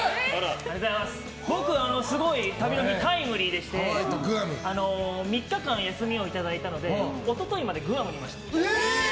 僕はすごい旅の日タイムリーでして３日間休みをいただいたので一昨日までグアムにいました。